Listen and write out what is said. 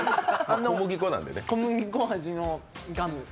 小麦粉味のガムです。